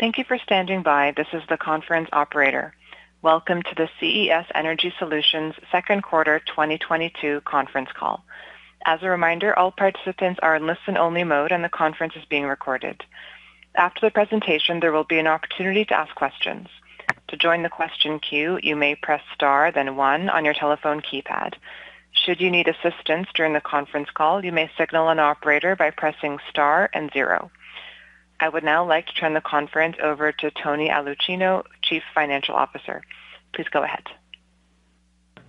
Thank you for standing by. This is the conference operator. Welcome to the CES Energy Solutions Second Quarter 2022 conference call. As a reminder, all participants are in listen-only mode, and the conference is being recorded. After the presentation, there will be an opportunity to ask questions. To join the question queue, you may press star then one on your telephone keypad. Should you need assistance during the conference call, you may signal an operator by pressing star and zero. I would now like to turn the conference over to Tony Aulicino, Chief Financial Officer. Please go ahead.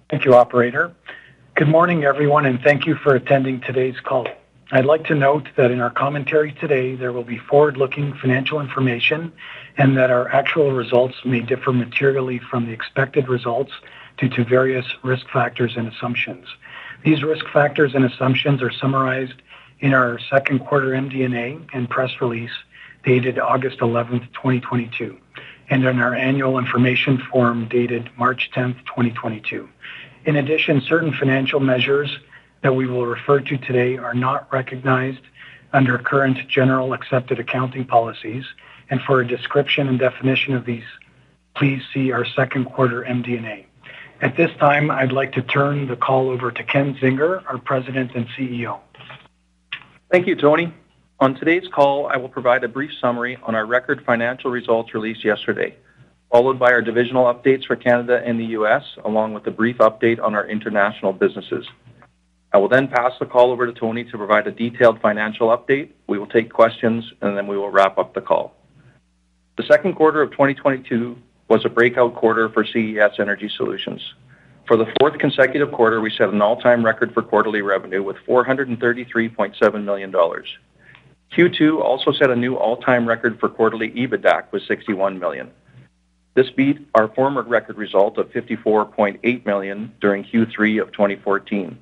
Thank you, operator. Good morning, everyone, and thank you for attending today's call. I'd like to note that in our commentary today, there will be forward-looking financial information and that our actual results may differ materially from the expected results due to various risk factors and assumptions. These risk factors and assumptions are summarized in our second quarter MD&A and press release dated August 11, 2022, and in our annual information form dated March 10th, 2022. In addition, certain financial measures that we will refer to today are not recognized under current generally accepted accounting principles, and for a description and definition of these, please see our second quarter MD&A. At this time, I'd like to turn the call over to Ken Zinger, our President and CEO. Thank you, Tony. On today's call, I will provide a brief summary on our record financial results released yesterday, followed by our divisional updates for Canada and the US, along with a brief update on our international businesses. I will then pass the call over to Tony to provide a detailed financial update. We will take questions, and then we will wrap up the call. The second quarter of 2022 was a breakout quarter for CES Energy Solutions. For the fourth consecutive quarter, we set an all-time record for quarterly revenue with $433.7 million. Q2 also set a new all-time record for quarterly EBITDA with $61 million. This beat our former record result of $54.8 million during Q3 of 2014.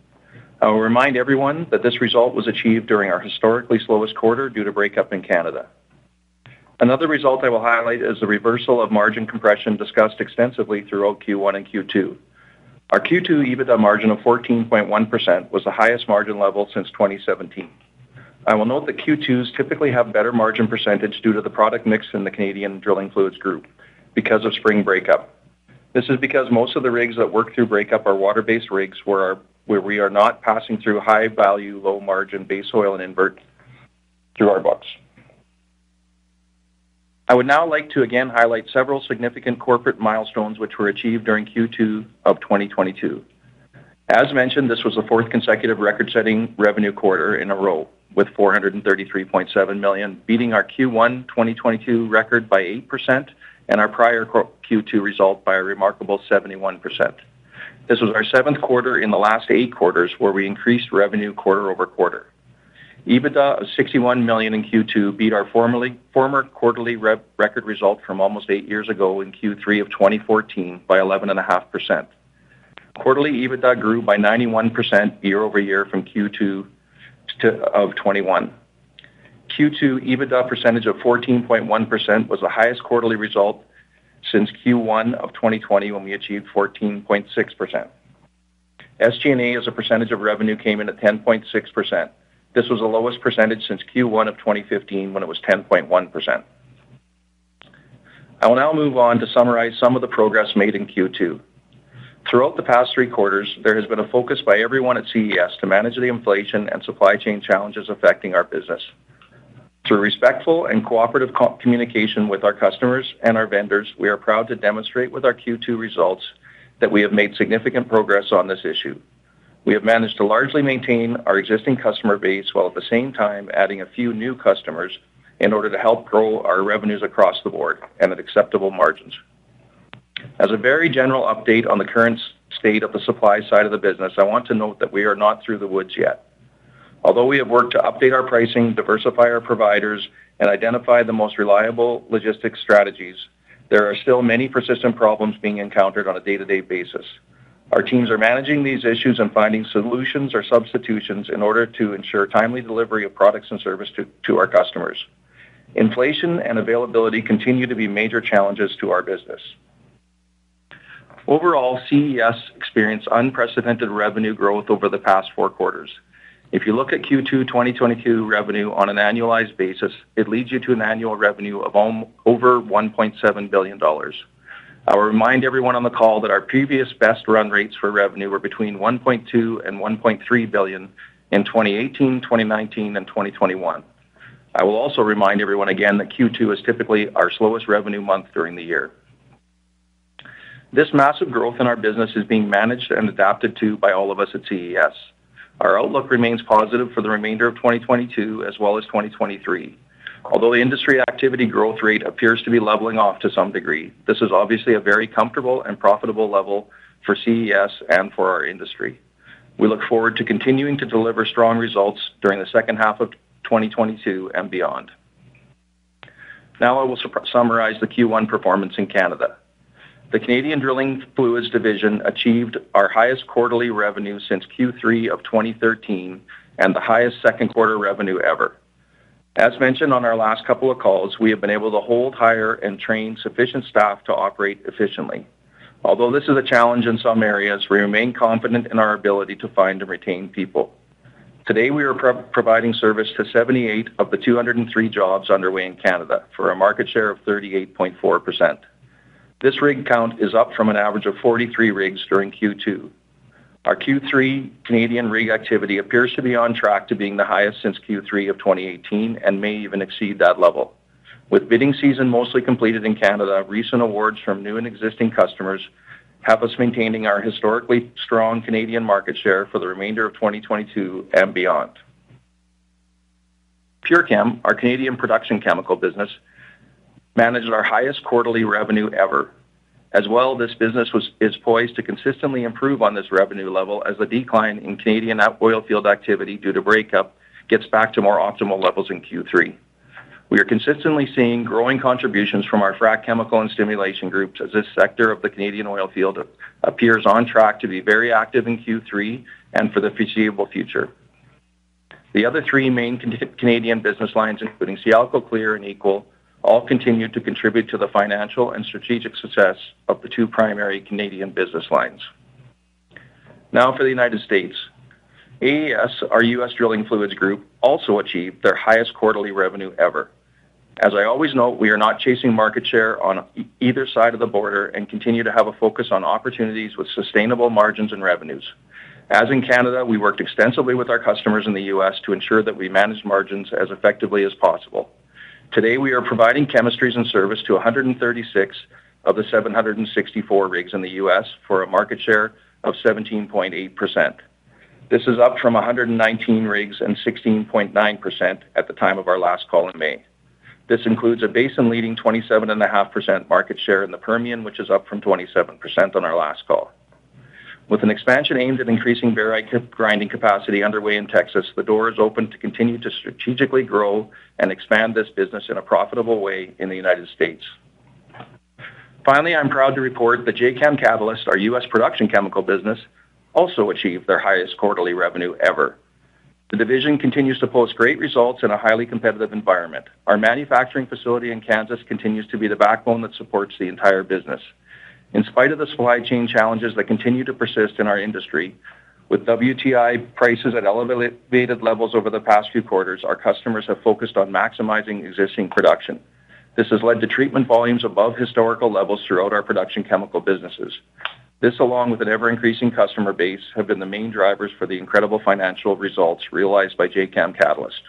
I will remind everyone that this result was achieved during our historically slowest quarter due to breakup in Canada. Another result I will highlight is the reversal of margin compression discussed extensively throughout Q1 and Q2. Our Q2 EBITDA margin of 14.1% was the highest margin level since 2017. I will note that Q2s typically have better margin percentage due to the product mix in the Canadian Drilling Fluids Group because of spring break up. This is because most of the rigs that work through break up are water-based rigs where we are not passing through high-value, low-margin base oil and invert through our books. I would now like to again highlight several significant corporate milestones which were achieved during Q2 of 2022. As mentioned, this was the fourth consecutive record-setting revenue quarter in a row with $433.7 million, beating our Q1 2022 record by 8% and our prior Q2 result by a remarkable 71%. This was our 7th quarter in the last 8 quarters where we increased revenue quarter-over-quarter. EBITDA of $61 million in Q2 beat our former quarterly record result from almost 8 years ago in Q3 of 2014 by 11.5%. Quarterly EBITDA grew by 91% year-over-year from Q2 of 2021. Q2 EBITDA percentage of 14.1% was the highest quarterly result since Q1 of 2020 when we achieved 14.6%. SG&A, as a percentage of revenue, came in at 10.6%. This was the lowest percentage since Q1 of 2015 when it was 10.1%. I will now move on to summarize some of the progress made in Q2. Throughout the past three quarters, there has been a focus by everyone at CES to manage the inflation and supply chain challenges affecting our business. Through respectful and cooperative communication with our customers and our vendors, we are proud to demonstrate with our Q2 results that we have made significant progress on this issue. We have managed to largely maintain our existing customer base while at the same time adding a few new customers in order to help grow our revenues across the board and at acceptable margins. As a very general update on the current state of the supply side of the business, I want to note that we are not through the woods yet. Although we have worked to update our pricing, diversify our providers, and identify the most reliable logistics strategies, there are still many persistent problems being encountered on a day-to-day basis. Our teams are managing these issues and finding solutions or substitutions in order to ensure timely delivery of products and service to our customers. Inflation and availability continue to be major challenges to our business. Overall, CES experienced unprecedented revenue growth over the past four quarters. If you look at Q2 2022 revenue on an annualized basis, it leads you to an annual revenue of over $1.7 billion. I will remind everyone on the call that our previous best run rates for revenue were between $1.2 billion and $1.3 billion in 2018, 2019, and 2021. I will also remind everyone again that Q2 is typically our slowest revenue month during the year. This massive growth in our business is being managed and adapted to by all of us at CES. Our outlook remains positive for the remainder of 2022 as well as 2023. Although the industry activity growth rate appears to be leveling off to some degree, this is obviously a very comfortable and profitable level for CES and for our industry. We look forward to continuing to deliver strong results during the second half of 2022 and beyond. Now I will summarize the Q1 performance in Canada. The Canadian Drilling Fluids division achieved our highest quarterly revenue since Q3 of 2013 and the highest second quarter revenue ever. As mentioned on our last couple of calls, we have been able to hold, hire, and train sufficient staff to operate efficiently. Although this is a challenge in some areas, we remain confident in our ability to find and retain people. Today, we are providing service to 78 of the 203 jobs underway in Canada for a market share of 38.4%. This rig count is up from an average of 43 rigs during Q2. Our Q3 Canadian rig activity appears to be on track to being the highest since Q3 of 2018 and may even exceed that level. With bidding season mostly completed in Canada, recent awards from new and existing customers have us maintaining our historically strong Canadian market share for the remainder of 2022 and beyond. PureChem, our Canadian production chemical business, manages our highest quarterly revenue ever. As well, this business is poised to consistently improve on this revenue level as the decline in Canadian oil field activity due to breakup gets back to more optimal levels in Q3. We are consistently seeing growing contributions from our frac chemical and stimulation groups as this sector of the Canadian oil field appears on track to be very active in Q3 and for the foreseeable future. The other three main Canadian business lines, including Sialco, Clear and Equal, all continue to contribute to the financial and strategic success of the two primary Canadian business lines. Now for the United States. AES, our U.S. drilling fluids group, also achieved their highest quarterly revenue ever. As I always note, we are not chasing market share on either side of the border and continue to have a focus on opportunities with sustainable margins and revenues. As in Canada, we worked extensively with our customers in the U.S. to ensure that we manage margins as effectively as possible. Today, we are providing chemistries and service to 136 of the 764 rigs in the U.S. for a market share of 17.8%. This is up from 119 rigs and 16.9% at the time of our last call in May. This includes a basin-leading 27.5% market share in the Permian, which is up from 27% on our last call. With an expansion aimed at increasing barite grinding capacity underway in Texas, the door is open to continue to strategically grow and expand this business in a profitable way in the United States. Finally, I'm proud to report that Jacam Catalyst, our U.S. production chemical business, also achieved their highest quarterly revenue ever. The division continues to post great results in a highly competitive environment. Our manufacturing facility in Kansas continues to be the backbone that supports the entire business. In spite of the supply chain challenges that continue to persist in our industry, with WTI prices at elevated levels over the past few quarters, our customers have focused on maximizing existing production. This has led to treatment volumes above historical levels throughout our production chemical businesses. This, along with an ever-increasing customer base, have been the main drivers for the incredible financial results realized by Jacam Catalyst.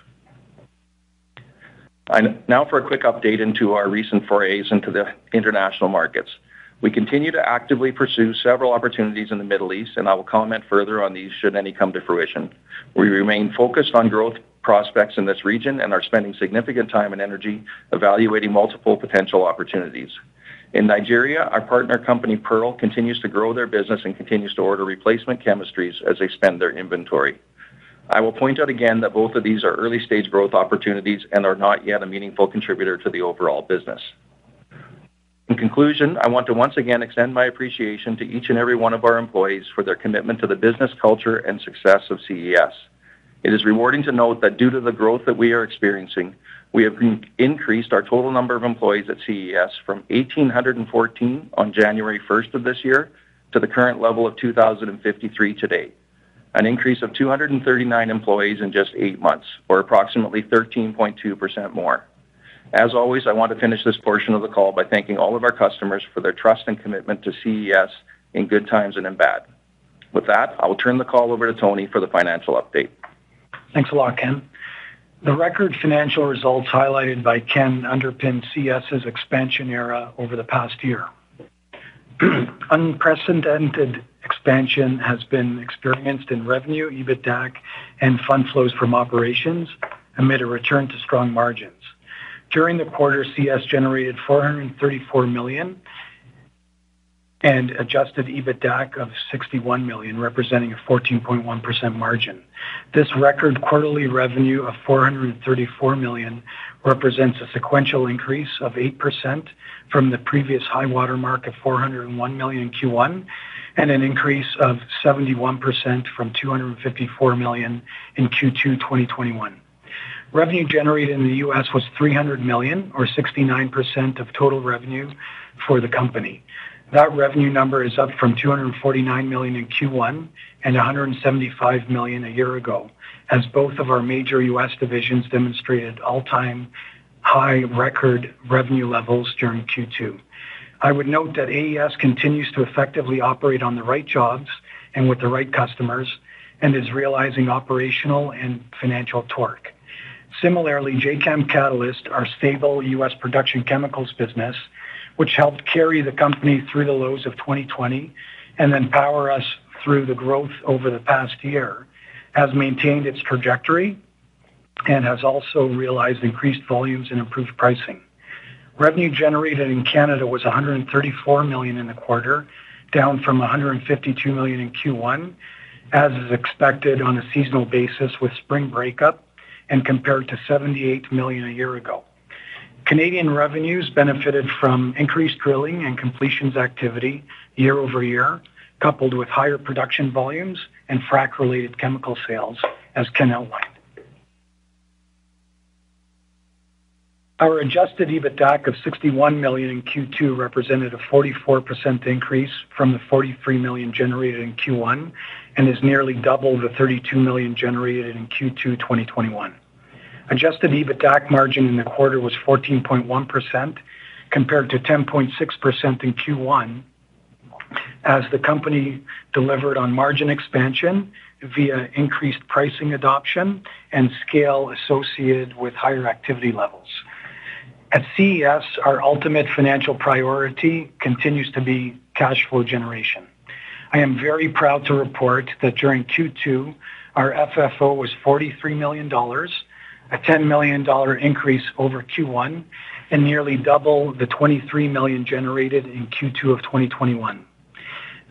Now for a quick update into our recent forays into the international markets. We continue to actively pursue several opportunities in the Middle East, and I will comment further on these should any come to fruition. We remain focused on growth prospects in this region and are spending significant time and energy evaluating multiple potential opportunities. In Nigeria, our partner company, PEARL, continues to grow their business and continues to order replacement chemistries as they spend their inventory. I will point out again that both of these are early-stage growth opportunities and are not yet a meaningful contributor to the overall business. In conclusion, I want to once again extend my appreciation to each and every one of our employees for their commitment to the business culture and success of CES. It is rewarding to note that due to the growth that we are experiencing, we have increased our total number of employees at CES from 1,814 on January first of this year to the current level of 2,053 today, an increase of 239 employees in just 8 months, or approximately 13.2% more. As always, I want to finish this portion of the call by thanking all of our customers for their trust and commitment to CES in good times and in bad. With that, I will turn the call over to Tony for the financial update. Thanks a lot, Ken. The record financial results highlighted by Ken underpin CES's expansion era over the past year. Unprecedented expansion has been experienced in revenue, EBITDA, and fund flows from operations amid a return to strong margins. During the quarter, CES generated $434 million and adjusted EBITDA of $61 million, representing a 14.1% margin. This record quarterly revenue of $434 million represents a sequential increase of 8% from the previous high water mark of $401 million in Q1 and an increase of 71% from $254 million in Q2 2021. Revenue generated in the U.S. was $300 million or 69% of total revenue for the company. That revenue number is up from $249 million in Q1 and $175 million a year ago, as both of our major U.S. divisions demonstrated all-time high record revenue levels during Q2. I would note that AES continues to effectively operate on the right jobs and with the right customers and is realizing operational and financial torque. Similarly, Jacam Catalyst, our stable U.S. production chemicals business, which helped carry the company through the lows of 2020 and then power us through the growth over the past year, has maintained its trajectory and has also realized increased volumes and improved pricing. Revenue generated in Canada was $134 million in the quarter, down from $152 million in Q1, as is expected on a seasonal basis with spring breakup and compared to $78 million a year ago. Canadian revenues benefited from increased drilling and completions activity year-over-year, coupled with higher production volumes and frac-related chemical sales, as Ken outlined. Our adjusted EBITDAC of $61 million in Q2 represented a 44% increase from the $43 million generated in Q1 and is nearly double the $32 million generated in Q2 2021. Adjusted EBITDAC margin in the quarter was 14.1% compared to 10.6% in Q1 as the company delivered on margin expansion via increased pricing adoption and scale associated with higher activity levels. At CES, our ultimate financial priority continues to be cash flow generation. I am very proud to report that during Q2, our FFO was $43 million, a $10 million increase over Q1 and nearly double the $23 million generated in Q2 of 2021.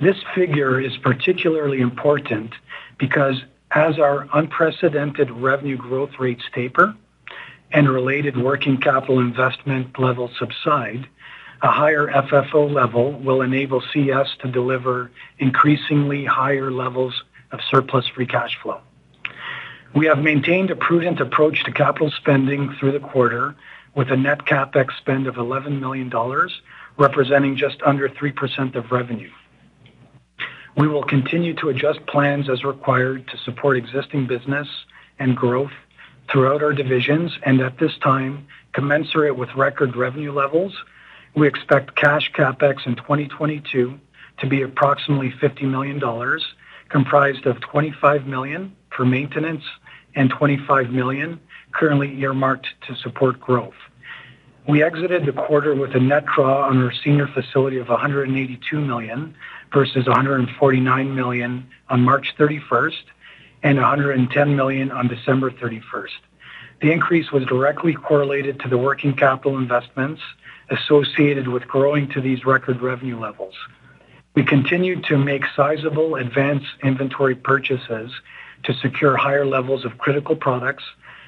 This figure is particularly important because as our unprecedented revenue growth rates taper and related working capital investment levels subside, a higher FFO level will enable CES to deliver increasingly higher levels of surplus free cash flow. We have maintained a prudent approach to capital spending through the quarter with a net CapEx spend of $11 million, representing just under 3% of revenue. We will continue to adjust plans as required to support existing business and growth throughout our divisions, and at this time, commensurate with record revenue levels. We expect cash CapEx in 2022 to be approximately $50 million, comprised of $25 million for maintenance and $25 million currently earmarked to support growth. We exited the quarter with a net draw on our senior facility of $182 million versus $149 million on March 31st and $110 million on December 31st. The increase was directly correlated to the working capital investments associated with growing to these record revenue levels. We continued to make sizable advance inventory purchases to secure higher levels of critical products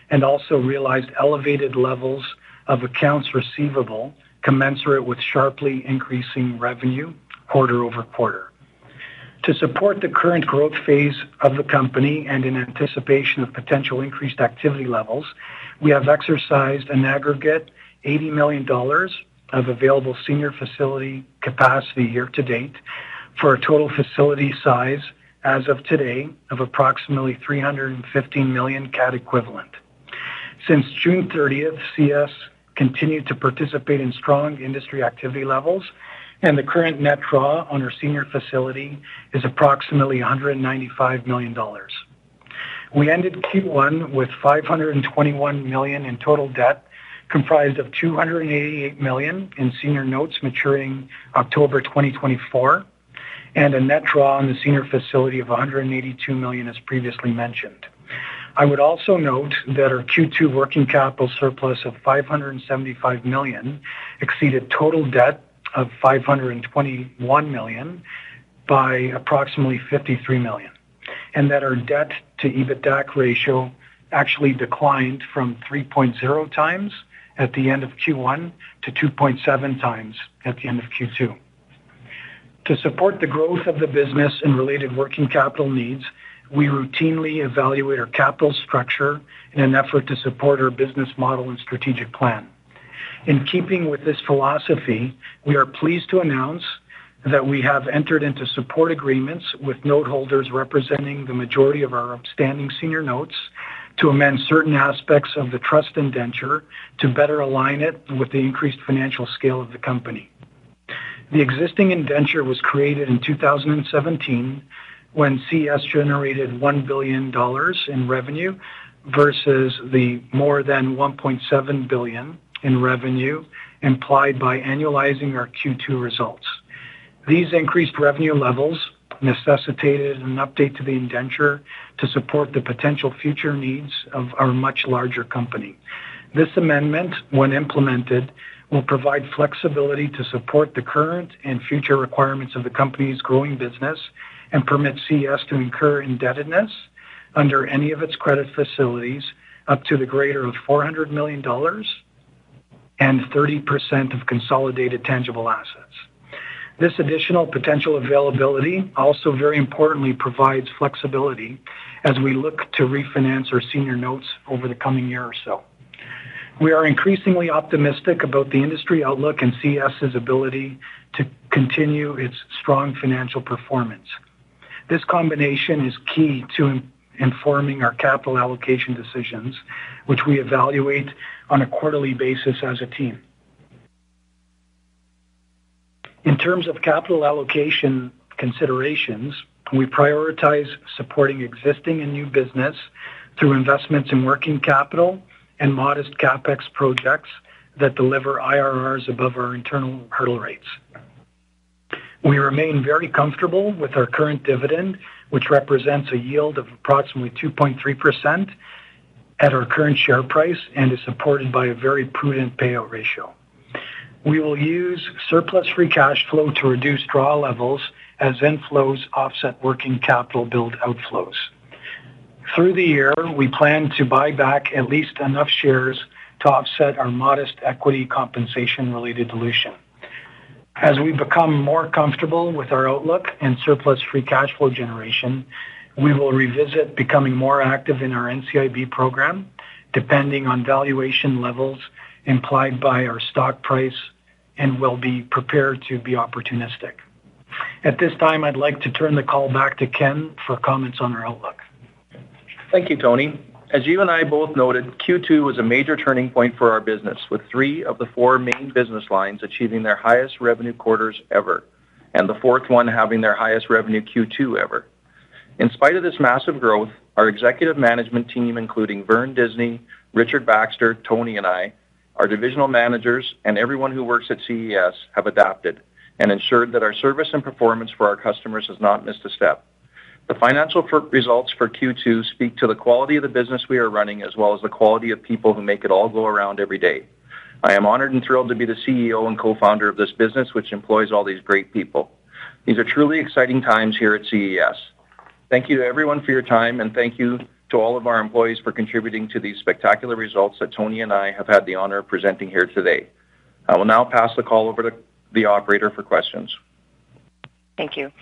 and also realized elevated levels of accounts receivable commensurate with sharply increasing revenue quarter over quarter. To support the current growth phase of the company and in anticipation of potential increased activity levels, we have exercised an aggregate $80 million of available senior facility capacity year to date for a total facility size as of today of approximately 350 million CAD equivalent. Since June 30, CES continued to participate in strong industry activity levels, and the current net draw on our senior facility is approximately $195 million. We ended Q1 with $521 million in total debt, comprised of $288 million in senior notes maturing October 2024, and a net draw on the senior facility of $182 million, as previously mentioned. I would also note that our Q2 working capital surplus of $575 million exceeded total debt of $521 million by approximately $53 million, and that our debt to EBITDAC ratio actually declined from 3.0x at the end of Q1 to 2.7x at the end of Q2. To support the growth of the business and related working capital needs, we routinely evaluate our capital structure in an effort to support our business model and strategic plan. In keeping with this philosophy, we are pleased to announce that we have entered into support agreements with note holders representing the majority of our outstanding senior notes to amend certain aspects of the trust indenture to better align it with the increased financial scale of the company. The existing indenture was created in 2017 when CES generated $1 billion in revenue versus the more than $1.7 billion in revenue implied by annualizing our Q2 results. These increased revenue levels necessitated an update to the indenture to support the potential future needs of our much larger company. This amendment, when implemented, will provide flexibility to support the current and future requirements of the company's growing business and permit CES to incur indebtedness under any of its credit facilities up to the greater of $400 million and 30% of consolidated tangible assets. This additional potential availability also very importantly provides flexibility as we look to refinance our senior notes over the coming year or so. We are increasingly optimistic about the industry outlook and CES's ability to continue its strong financial performance. This combination is key to informing our capital allocation decisions, which we evaluate on a quarterly basis as a team. In terms of capital allocation considerations, we prioritize supporting existing and new business through investments in working capital and modest CapEx projects that deliver IRRs above our internal hurdle rates. We remain very comfortable with our current dividend, which represents a yield of approximately 2.3% at our current share price and is supported by a very prudent payout ratio. We will use surplus free cash flow to reduce draw levels as inflows offset working capital build outflows. Through the year, we plan to buy back at least enough shares to offset our modest equity compensation related dilution. As we become more comfortable with our outlook and surplus free cash flow generation, we will revisit becoming more active in our NCIB program depending on valuation levels implied by our stock price, and we'll be prepared to be opportunistic. At this time, I'd like to turn the call back to Ken for comments on our outlook. Thank you, Tony. As you and I both noted, Q2 was a major turning point for our business, with three of the four main business lines achieving their highest revenue quarters ever, and the fourth one having their highest revenue Q2 ever. In spite of this massive growth, our executive management team, including Vern Disney, Richard Baxter, Tony, and I, our divisional managers, and everyone who works at CES have adapted and ensured that our service and performance for our customers has not missed a step. The financial results for Q2 speak to the quality of the business we are running, as well as the quality of people who make it all go around every day. I am honored and thrilled to be the CEO and co-founder of this business, which employs all these great people. These are truly exciting times here at CES. Thank you to everyone for your time, and thank you to all of our employees for contributing to these spectacular results that Tony and I have had the honor of presenting here today. I will now pass the call over to the operator for questions. Thank you.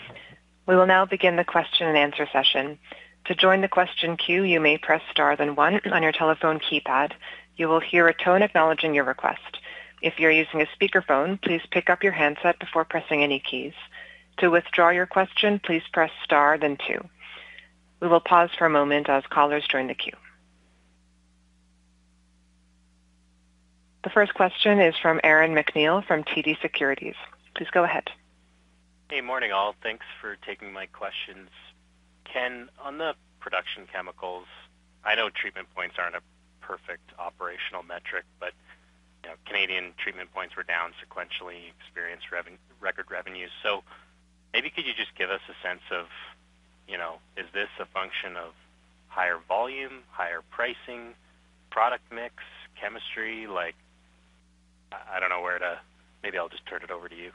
We will now begin the question and answer session. To join the question queue, you may press star then one on your telephone keypad. You will hear a tone acknowledging your request. If you're using a speakerphone, please pick up your handset before pressing any keys. To withdraw your question, please press star then two. We will pause for a moment as callers join the queue. The first question is from Aaron MacNeil from TD Securities. Please go ahead. Hey, morning, all. Thanks for taking my questions. Ken, on the production chemicals, I know treatment points aren't a perfect operational metric, but, you know, Canadian treatment points were down sequentially, experienced record revenues. Maybe could you just give us a sense of, you know, is this a function of higher volume, higher pricing, product mix, chemistry? Like, I don't know where to. Maybe I'll just turn it over to you.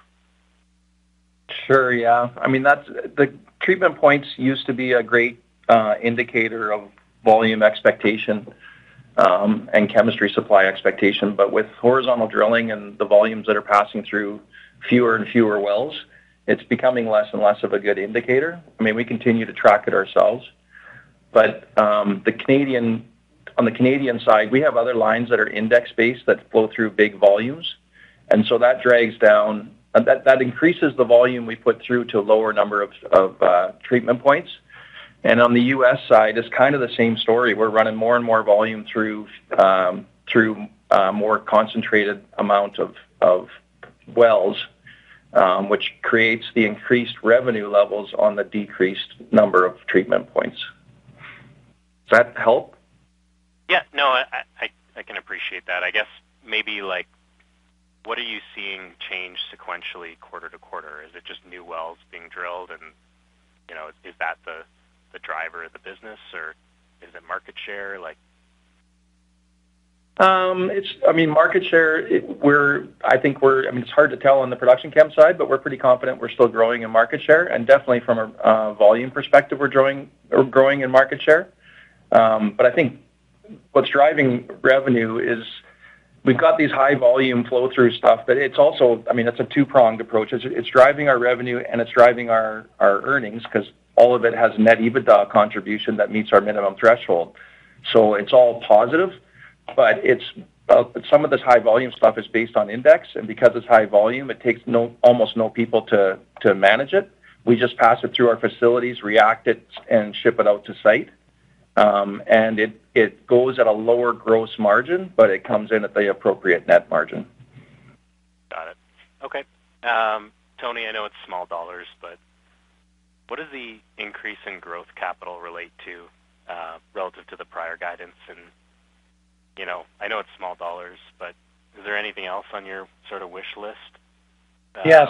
Sure. Yeah. I mean, that's the treatment points used to be a great indicator of volume expectation, and chemical supply expectation. But with horizontal drilling and the volumes that are passing through fewer and fewer wells, it's becoming less and less of a good indicator. I mean, we continue to track it ourselves. But the Canadian, on the Canadian side, we have other lines that are index-based that flow through big volumes, and so that drags down. That increases the volume we put through to a lower number of treatment points. On the U.S. side, it's kind of the same story. We're running more and more volume through a more concentrated amount of wells, which creates the increased revenue levels on the decreased number of treatment points. Does that help? Yeah. No, I can appreciate that. I guess maybe like what are you seeing change sequentially quarter to quarter? Is it just new wells being drilled? And, you know, is that the driver of the business, or is it market share, like? I mean, market share. I think it's hard to tell on the production chem side, but we're pretty confident we're still growing in market share. Definitely from a volume perspective, we're growing in market share. But I think what's driving revenue is we've got these high volume flow through stuff, but it's also, I mean, it's a two-pronged approach. It's driving our revenue and it's driving our earnings because all of it has net EBITDA contribution that meets our minimum threshold. It's all positive, but some of this high volume stuff is based on index, and because it's high volume, it takes almost no people to manage it. We just pass it through our facilities, react it, and ship it out to site. It goes at a lower gross margin, but it comes in at the appropriate net margin. Got it. Okay. Tony, I know it's small dollars, but what does the increase in growth capital relate to, relative to the prior guidance? You know, I know it's small dollars, but is there anything else on your sort of wish list? I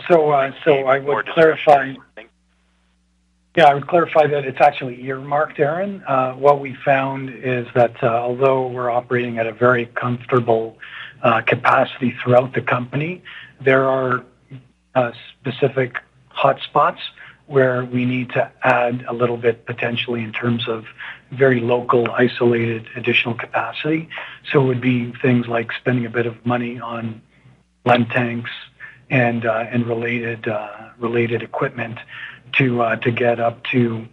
would clarify that it's actually earmarked, Aaron. What we found is that, although we're operating at a very comfortable capacity throughout the company, there are specific hotspots where we need to add a little bit potentially in terms of very local, isolated, additional capacity. It would be things like spending a bit of money on blend tanks and related equipment to get up to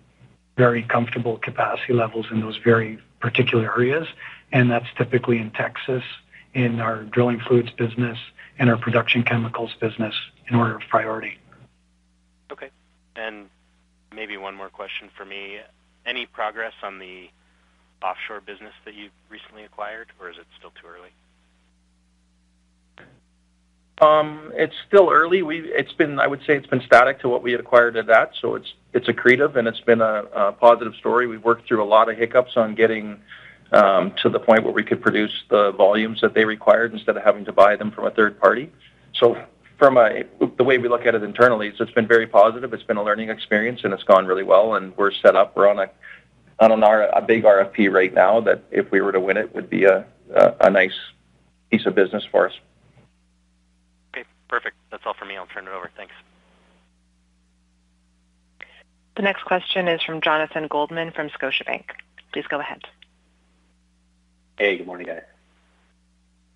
very comfortable capacity levels in those very particular areas. That's typically in Texas in our drilling fluids business and our production chemicals business in order of priority. Okay. Maybe one more question for me. Any progress on the offshore business that you've recently acquired, or is it still too early? It's still early. I would say it's been static to what we acquired at that. It's accretive, and it's been a positive story. We've worked through a lot of hiccups on getting to the point where we could produce the volumes that they required instead of having to buy them from a third party. The way we look at it internally is it's been very positive, it's been a learning experience, and it's gone really well, and we're set up. We're on a big RFP right now that if we were to win it, would be a nice piece of business for us. Okay, perfect. That's all for me. I'll turn it over. The next question is from Jonathan Goldman from Scotiabank. Please go ahead. Hey, good morning, guys.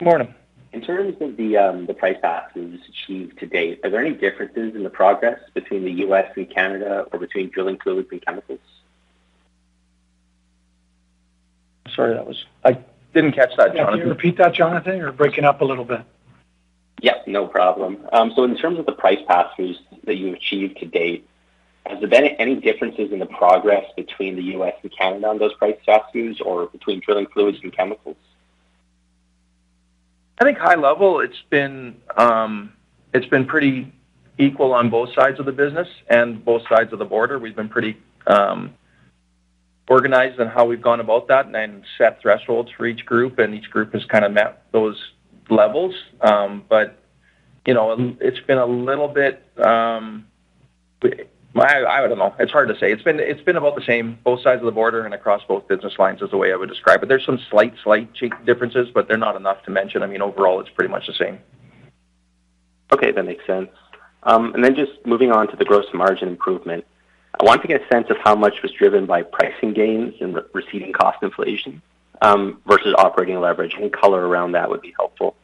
Morning. In terms of the price pass that was achieved to date, are there any differences in the progress between the U.S. and Canada or between drilling fluids and chemicals? Sorry, I didn't catch that, Jonathan. Can you repeat that, Jonathan? You're breaking up a little bit. Yes, no problem. In terms of the price pass-throughs that you achieved to date, has there been any differences in the progress between the U.S. and Canada on those price pass-throughs or between drilling fluids and chemicals? I think high level, it's been pretty equal on both sides of the business and both sides of the border. We've been pretty organized on how we've gone about that and set thresholds for each group, and each group has kinda met those levels. You know, it's been a little bit. I don't know. It's hard to say. It's been about the same both sides of the border and across both business lines is the way I would describe it. There's some slight differences, but they're not enough to mention. I mean, overall, it's pretty much the same. Okay, that makes sense. Just moving on to the gross margin improvement. I want to get a sense of how much was driven by pricing gains and reversing cost inflation, versus operating leverage. Any color around that would be helpful.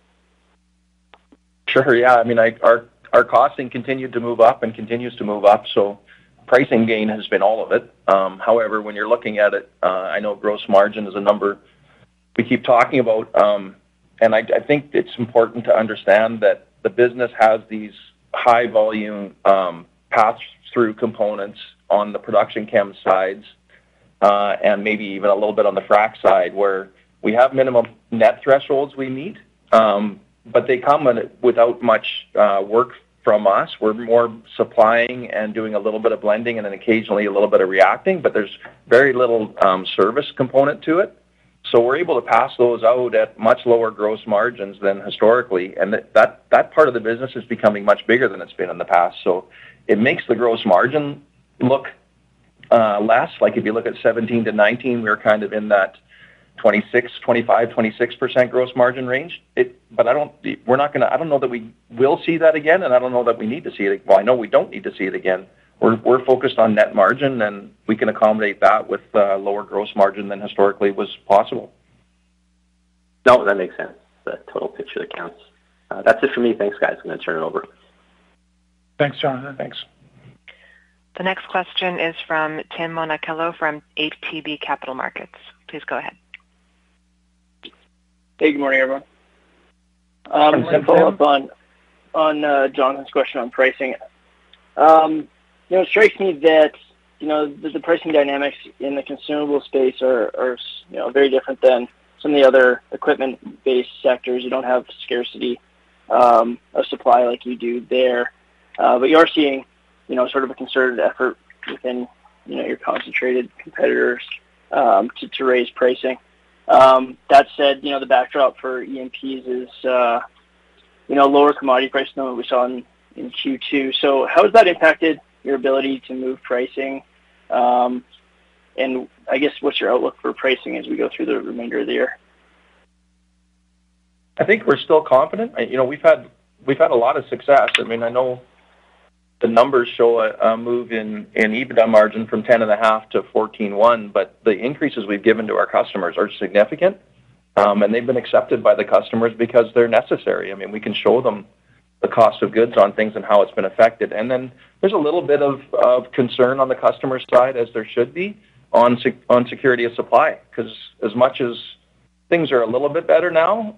Sure. Yeah. I mean, our costing continued to move up and continues to move up, so pricing gain has been all of it. However, when you're looking at it, I know gross margin is a number we keep talking about, and I think it's important to understand that the business has these high volume pass-through components on the production chem sides, and maybe even a little bit on the frac side where we have minimum net thresholds we meet, but they come without much work from us. We're more supplying and doing a little bit of blending and then occasionally a little bit of reacting, but there's very little service component to it. So we're able to pass those out at much lower gross margins than historically. That part of the business is becoming much bigger than it's been in the past. It makes the gross margin look less. Like if you look at 17-19, we're kind of in that 26, 25, 26% gross margin range. I don't know that we will see that again, and I don't know that we need to see it. Well, I know we don't need to see it again. We're focused on net margin, and we can accommodate that with lower gross margin than historically was possible. No, that makes sense. The total picture accounts. That's it for me. Thanks, guys. I'm gonna turn it over. Thanks, Jonathan. Thanks. The next question is from Tim Monachello from ATB Capital Markets. Please go ahead. Hey, good morning, everyone. Good morning, Tim. Just to follow up on Jonathan's question on pricing. You know, it strikes me that, you know, the pricing dynamics in the consumable space are, you know, very different than some of the other equipment-based sectors. You don't have scarcity of supply like you do there, but you are seeing, you know, sort of a concerted effort within, you know, your concentrated competitors to raise pricing. That said, you know, the backdrop for E&Ps is, you know, lower commodity pricing than what we saw in Q2. How has that impacted your ability to move pricing? I guess, what's your outlook for pricing as we go through the remainder of the year? I think we're still confident. You know, we've had a lot of success. I mean, I know the numbers show a move in EBITDA margin from 10.5%-14.1%, but the increases we've given to our customers are significant, and they've been accepted by the customers because they're necessary. I mean, we can show them the cost of goods on things and how it's been affected. There's a little bit of concern on the customer side, as there should be, on security of supply, 'cause as much as things are a little bit better now,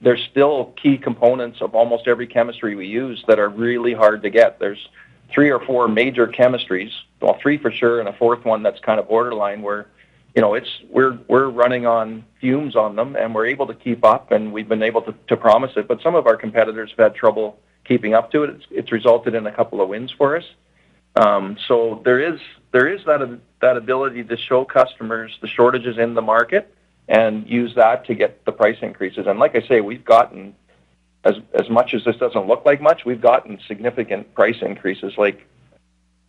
there's still key components of almost every chemistry we use that are really hard to get. There's three or four major chemistries. Well, three for sure, and a fourth one that's kind of borderline where, you know, we're running on fumes on them, and we're able to keep up, and we've been able to promise it. Some of our competitors have had trouble keeping up with it. It's resulted in a couple of wins for us. So there is that ability to show customers the shortages in the market and use that to get the price increases. Like I say, we've gotten. As much as this doesn't look like much, we've gotten significant price increases. Like,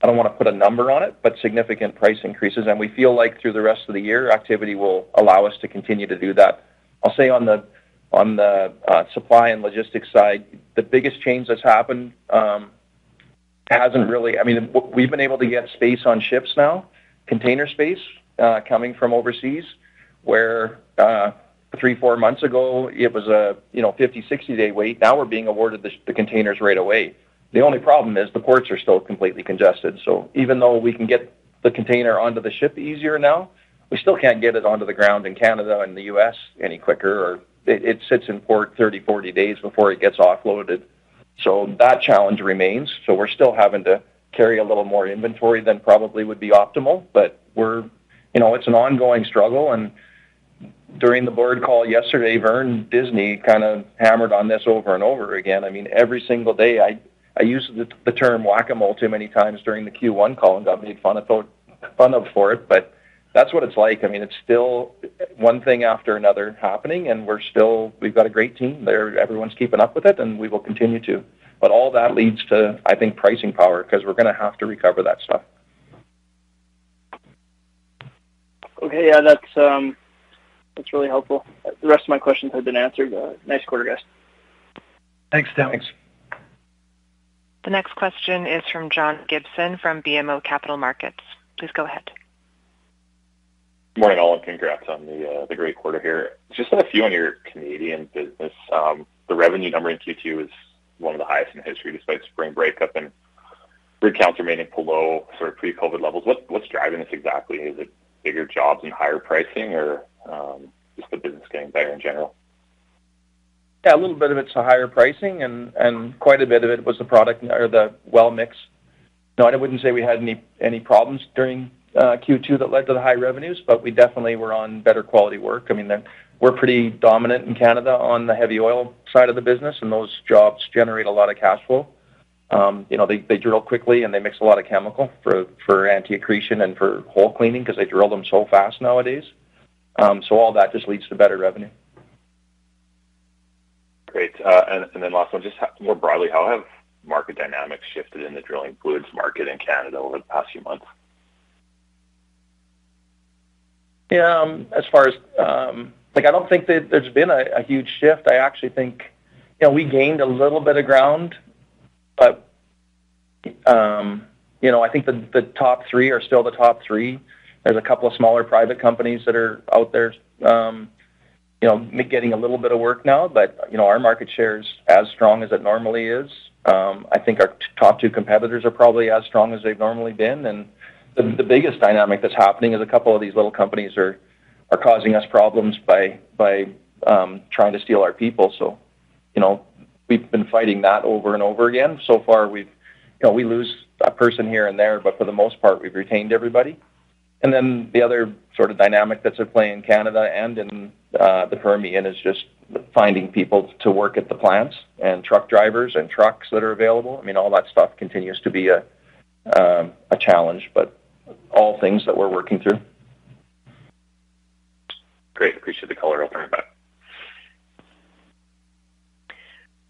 I don't wanna put a number on it, but significant price increases. We feel like through the rest of the year, activity will allow us to continue to do that. I'll say on the supply and logistics side, the biggest change that's happened, I mean, we've been able to get space on ships now, container space, coming from overseas, where three, four months ago, it was, you know, 50, 60 day wait. Now we're being awarded the containers right away. The only problem is the ports are still completely congested. Even though we can get the container onto the ship easier now, we still can't get it onto the ground in Canada and the US any quicker or it sits in port 30, 40 days before it gets offloaded. That challenge remains. We're still having to carry a little more inventory than probably would be optimal. You know, it's an ongoing struggle, and during the board call yesterday, Vern Disney kind of hammered on this over and over again. I mean, every single day, I use the term whack-a-mole too many times during the Q1 call and got made fun of for it. That's what it's like. I mean, it's still one thing after another happening, and we're still. We've got a great team. They're. Everyone's keeping up with it, and we will continue to. All that leads to, I think, pricing power because we're gonna have to recover that stuff. Okay. Yeah, that's really helpful. The rest of my questions have been answered. Nice quarter, guys. Thanks, Tim. Thanks. The next question is from John Gibson from BMO Capital Markets. Please go ahead. Morning, all. Congrats on the great quarter here. Just have a few on your Canadian business. The revenue number in Q2 is one of the highest in history despite spring breakup and rig counts remaining below sort of pre-COVID levels. What's driving this exactly? Is it bigger jobs and higher pricing or just the business getting better in general? Yeah, a little bit of it's the higher pricing and quite a bit of it was the product or the well mix. No, I wouldn't say we had any problems during Q2 that led to the high revenues, but we definitely were on better quality work. I mean, we're pretty dominant in Canada on the heavy oil side of the business, and those jobs generate a lot of cash flow. You know, they drill quickly, and they mix a lot of chemical for anti-accretion and for hole cleaning 'cause they drill them so fast nowadays. All that just leads to better revenue. Great. Last one, just more broadly, how have market dynamics shifted in the drilling fluids market in Canada over the past few months? Yeah. As far as, like, I don't think that there's been a huge shift. I actually think, you know, we gained a little bit of ground, but, you know, I think the top three are still the top three. There's a couple of smaller private companies that are out there, you know, getting a little bit of work now. But, you know, our market share is as strong as it normally is. I think our top two competitors are probably as strong as they've normally been. The biggest dynamic that's happening is a couple of these little companies are causing us problems by trying to steal our people. You know, we've been fighting that over and over again. So far, we've you know, we lose a person here and there, but for the most part, we've retained everybody. The other sort of dynamic that's at play in Canada and in the Permian is just finding people to work at the plants and truck drivers and trucks that are available. I mean, all that stuff continues to be a a challenge, but all things that we're working through. Great. Appreciate the color on that.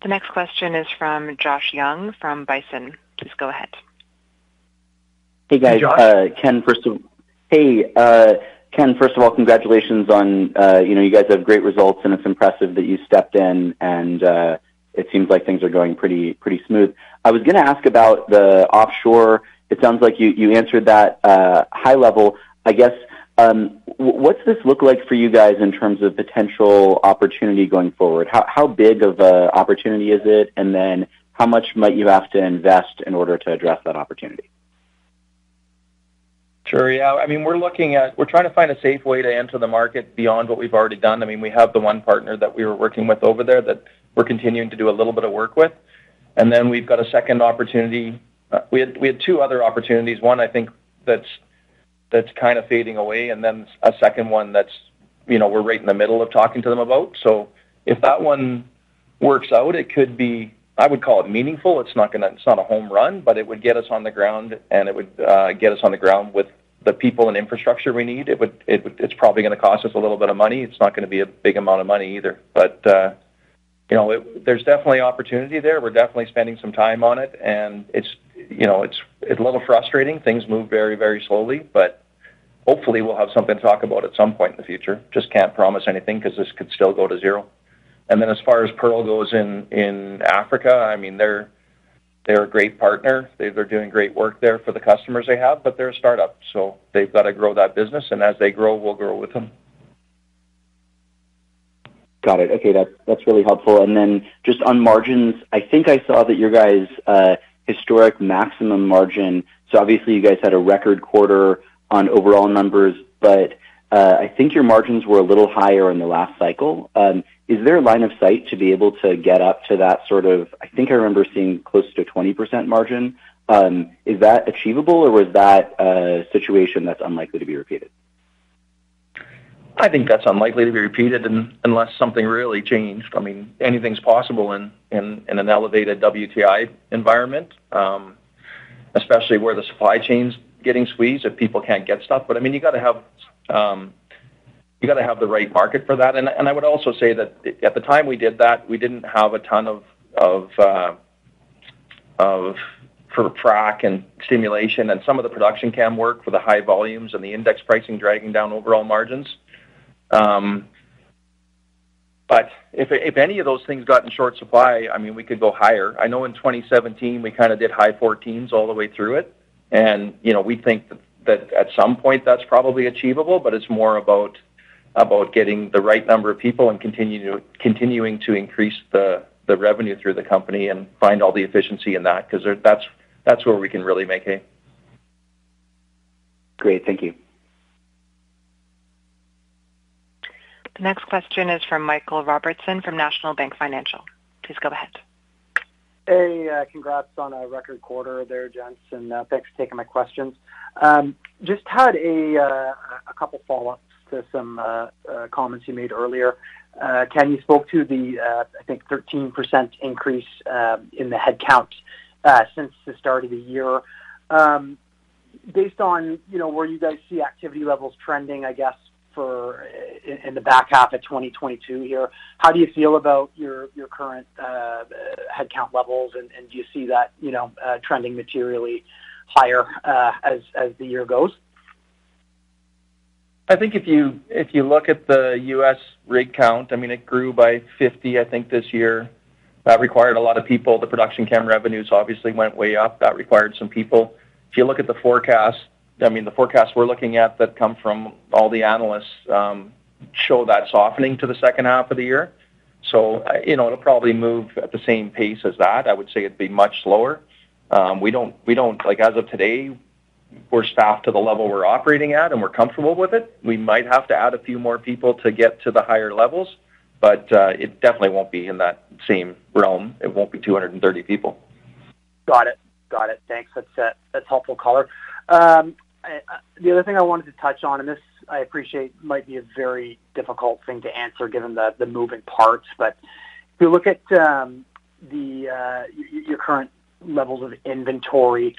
The next question is from Josh Young from Bison. Please go ahead. Hey, guys. Hey, Josh. Hey, Ken, first of all, congratulations on, you know, you guys have great results, and it's impressive that you stepped in, and it seems like things are going pretty smooth. I was gonna ask about the offshore. It sounds like you answered that high level. I guess, what's this look like for you guys in terms of potential opportunity going forward? How big of a opportunity is it, and then how much might you have to invest in order to address that opportunity? Sure. Yeah. I mean, we're trying to find a safe way to enter the market beyond what we've already done. I mean, we have the one partner that we were working with over there that we're continuing to do a little bit of work with. We've got a second opportunity. We had two other opportunities. One, I think that's kind of fading away, and then a second one that's, you know, we're right in the middle of talking to them about. If that one works out, it could be, I would call it meaningful. It's not a home run, but it would get us on the ground, and it would get us on the ground with the people and infrastructure we need. It would. It's probably gonna cost us a little bit of money. It's not gonna be a big amount of money either. But, you know, there's definitely opportunity there. We're definitely spending some time on it, and you know, it's a little frustrating. Things move very slowly, but hopefully we'll have something to talk about at some point in the future. Just can't promise anything 'cause this could still go to zero. Then as far as PEARL goes in Africa, I mean, they're a great partner. They're doing great work there for the customers they have, but they're a startup, so they've gotta grow that business, and as they grow, we'll grow with them. Got it. Okay, that's really helpful. Just on margins, I think I saw that your guys' historic maximum margin. Obviously, you guys had a record quarter on overall numbers, but I think your margins were a little higher in the last cycle. Is there a line of sight to be able to get up to that sort of? I think I remember seeing close to 20% margin. Is that achievable, or was that a situation that's unlikely to be repeated? I think that's unlikely to be repeated unless something really changed. I mean, anything's possible in an elevated WTI environment, especially where the supply chain's getting squeezed if people can't get stuff. I mean, you gotta have the right market for that. I would also say that at the time we did that, we didn't have a ton of frac and stimulation and some of the production chem work for the high volumes and the index pricing dragging down overall margins. If any of those things got in short supply, I mean, we could go higher. I know in 2017, we kinda did high 14s all the way through it. You know, we think that at some point that's probably achievable, but it's more about getting the right number of people and continuing to increase the revenue through the company and find all the efficiency in that 'cause that's where we can really make it. Great. Thank you. The next question is from Michael Robertson from National Bank Financial. Please go ahead. Hey. Congrats on a record quarter there, gents, and thanks for taking my questions. Just had a couple follow-ups to some comments you made earlier. Ken, you spoke to the, I think 13% increase in the headcount since the start of the year. Based on, you know, where you guys see activity levels trending, I guess In the back half of 2022 here, how do you feel about your current headcount levels, and do you see that, you know, trending materially higher, as the year goes? I think if you look at the U.S. rig count, I mean, it grew by 50, I think, this year. That required a lot of people. The production count revenues obviously went way up. That required some people. If you look at the forecast, I mean, the forecast we're looking at that come from all the analysts show that softening to the second half of the year. You know, it'll probably move at the same pace as that. I would say it'd be much lower. Like, as of today, we're staffed to the level we're operating at, and we're comfortable with it. We might have to add a few more people to get to the higher levels, but it definitely won't be in that same realm. It won't be 230 people. Got it. Thanks. That's helpful color. The other thing I wanted to touch on, and this I appreciate might be a very difficult thing to answer given the moving parts. If you look at your current levels of inventory,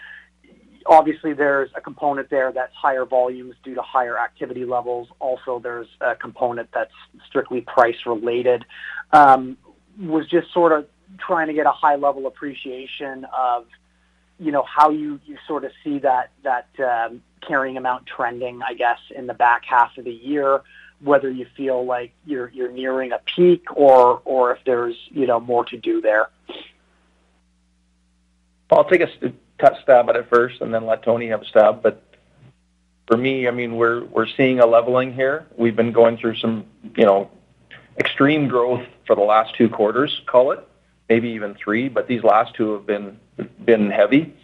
obviously there's a component there that's higher volumes due to higher activity levels. Also, there's a component that's strictly price related. Was just sort of trying to get a high level appreciation of, you know, how you sort of see that carrying amount trending, I guess, in the back half of the year, whether you feel like you're nearing a peak or if there's, you know, more to do there. I'll take a stab at it first and then let Tony have a stab. For me, I mean, we're seeing a leveling here. We've been going through some, you know, extreme growth for the last two quarters, call it maybe even three, but these last two have been heavy.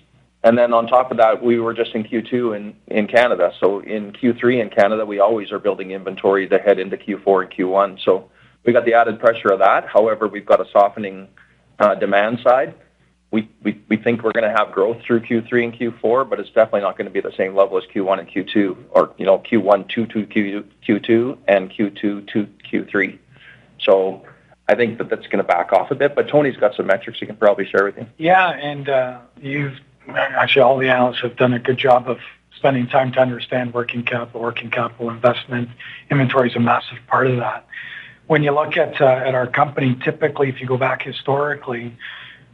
Then on top of that, we were just in Q2 in Canada. In Q3 in Canada, we always are building inventory to head into Q4 and Q1. We've got the added pressure of that. However, we've got a softening demand side. We think we're gonna have growth through Q3 and Q4, but it's definitely not gonna be the same level as Q1 and Q2, or, you know, Q1 to Q2, and Q2 to Q3. I think that that's gonna back off a bit, but Tony's got some metrics he can probably share with you. Yeah. Actually, all the analysts have done a good job of spending time to understand working capital, working capital investment. Inventory is a massive part of that. When you look at our company, typically, if you go back historically,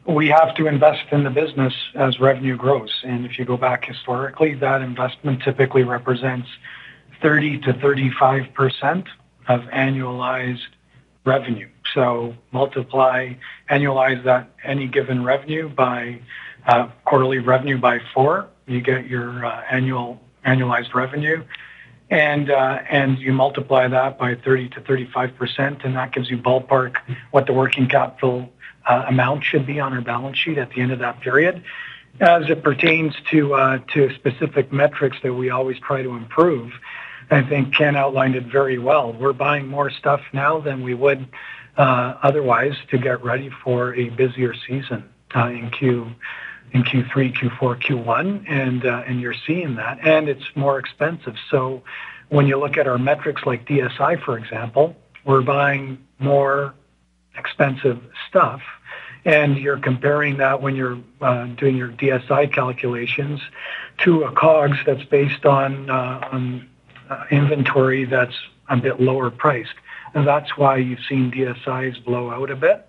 we have to invest in the business as revenue grows. If you go back historically, that investment typically represents 30%-35% of annualized revenue. So annualize that any given revenue by quarterly revenue by four, you get your annualized revenue. You multiply that by 30%-35%, and that gives you ballpark what the working capital amount should be on our balance sheet at the end of that period. As it pertains to specific metrics that we always try to improve, I think Ken outlined it very well. We're buying more stuff now than we would otherwise to get ready for a busier season in Q3, Q4, Q1, and you're seeing that, and it's more expensive. When you look at our metrics like DSI, for example, we're buying more expensive stuff, and you're comparing that when you're doing your DSI calculations to a COGS that's based on inventory that's a bit lower priced. That's why you've seen DSIs blow out a bit.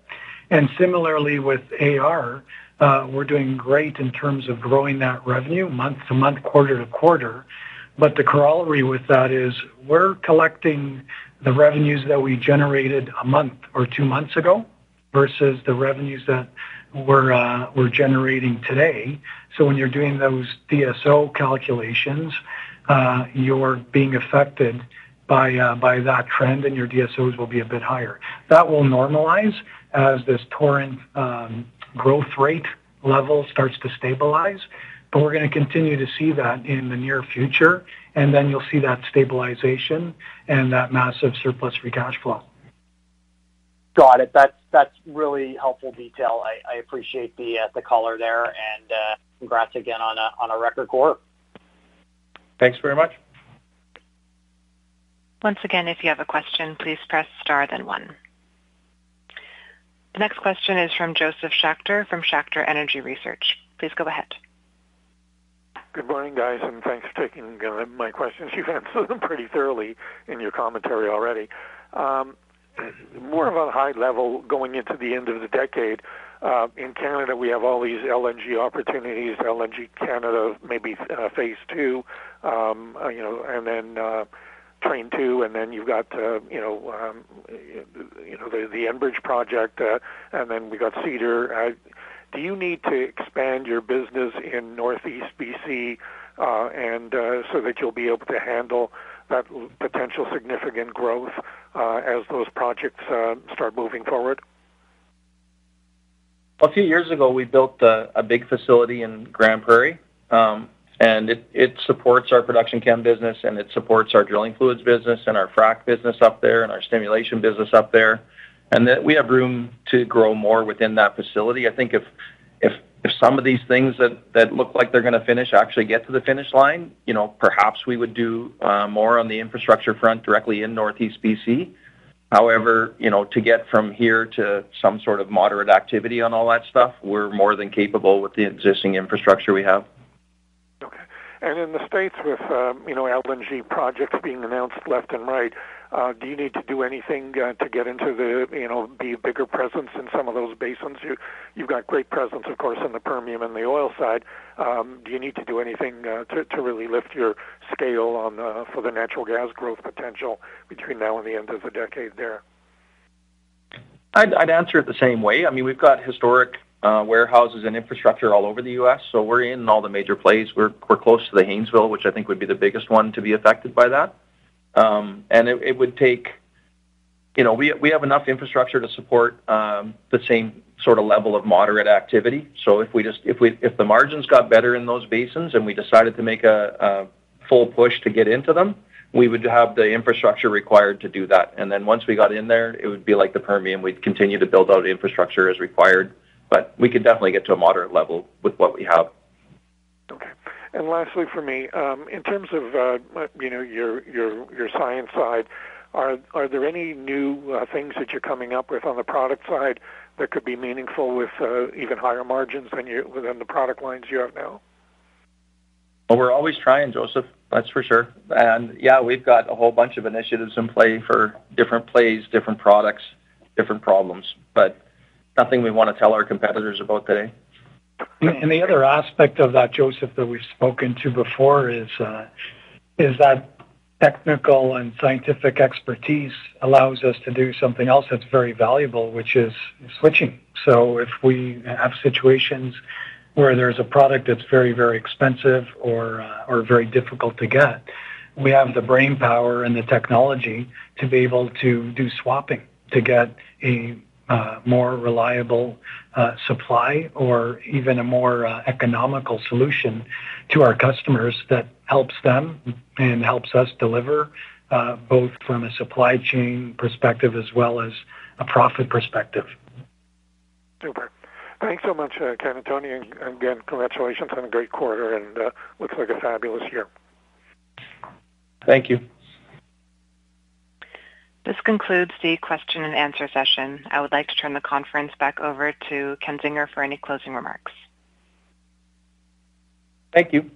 Similarly with AR, we're doing great in terms of growing that revenue month to month, quarter to quarter. The corollary with that is we're collecting the revenues that we generated a month or two months ago versus the revenues that we're generating today. When you're doing those DSO calculations, you're being affected by that trend, and your DSOs will be a bit higher. That will normalize as this current growth rate level starts to stabilize. We're gonna continue to see that in the near future, and then you'll see that stabilization and that massive surplus free cash flow. Got it. That's really helpful detail. I appreciate the color there. Congrats again on a record quarter. Thanks very much. Once again, if you have a question, please press star then one. The next question is from Josef Schachter from Schachter Energy Research. Please go ahead. Good morning, guys, and thanks for taking my questions. You've answered them pretty thoroughly in your commentary already. More of a high level going into the end of the decade. In Canada, we have all these LNG opportunities, LNG Canada, maybe phase two, you know, and then train two, and then you've got the Enbridge project, and then we got Cedar LNG. Do you need to expand your business in Northeast BC, and so that you'll be able to handle that potential significant growth, as those projects start moving forward? A few years ago, we built a big facility in Grand Prairie, and it supports our production chem business, and it supports our drilling fluids business and our frac business up there and our stimulation business up there. We have room to grow more within that facility. I think if some of these things that look like they're gonna finish actually get to the finish line, you know, perhaps we would do more on the infrastructure front directly in Northeast BC. However, you know, to get from here to some sort of moderate activity on all that stuff, we're more than capable with the existing infrastructure we have. Okay. In the States with, you know, LNG projects being announced left and right, do you need to do anything to get into the, you know, the bigger presence in some of those basins? You, you've got great presence, of course, in the Permian and the oil side. Do you need to do anything to really lift your scale for the natural gas growth potential between now and the end of the decade there? I'd answer it the same way. I mean, we've got historic warehouses and infrastructure all over the U.S., so we're in all the major plays. We're close to the Haynesville, which I think would be the biggest one to be affected by that. You know, we have enough infrastructure to support the same sort of level of moderate activity. So if the margins got better in those basins and we decided to make a full push to get into them, we would have the infrastructure required to do that. Once we got in there, it would be like the Permian. We'd continue to build out infrastructure as required, but we could definitely get to a moderate level with what we have. Okay. Lastly for me, in terms of, you know, your science side, are there any new things that you're coming up with on the product side that could be meaningful with even higher margins than you, within the product lines you have now? Well, we're always trying, Josef, that's for sure. Yeah, we've got a whole bunch of initiatives in play for different plays, different products, different problems, but nothing we wanna tell our competitors about today. The other aspect of that, Josef, that we've spoken to before is that technical and scientific expertise allows us to do something else that's very valuable, which is switching. If we have situations where there's a product that's very, very expensive or very difficult to get, we have the brainpower and the technology to be able to do swapping to get a more reliable supply or even a more economical solution to our customers that helps them and helps us deliver both from a supply chain perspective as well as a profit perspective. Super. Thanks so much, Ken and Tony. Again, congratulations on a great quarter and looks like a fabulous year. Thank you. This concludes the question and answer session. I would like to turn the conference back over to Ken Zinger for any closing remarks. Thank you.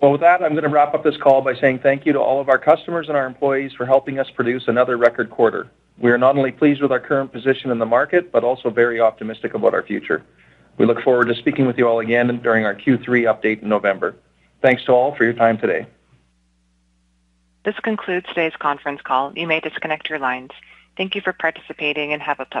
Well, with that, I'm gonna wrap up this call by saying thank you to all of our customers and our employees for helping us produce another record quarter. We are not only pleased with our current position in the market, but also very optimistic about our future. We look forward to speaking with you all again during our Q3 update in November. Thanks to all for your time today. This concludes today's conference call. You may disconnect your lines. Thank you for participating, and have a pleasant rest of your day.